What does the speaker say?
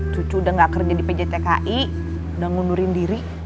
cucu udah gak kerja di pjtki udah ngundurin diri